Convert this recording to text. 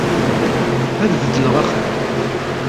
Ad beddleɣ axxam.